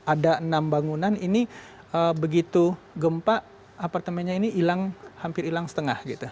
ada enam bangunan ini begitu gempa apartemennya ini hilang hampir hilang setengah gitu